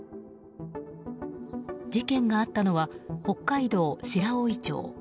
事件があったのは北海道白老町。